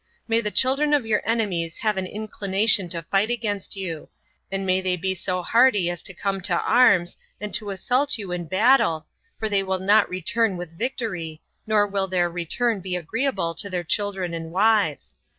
May the children of your enemies have an inclination to fight against you; and may they be so hardy as to come to arms, and to assault you in battle, for they will not return with victory, nor will their return be agreeable to their children and wives.